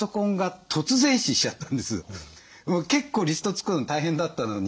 結構リスト作るの大変だったのに。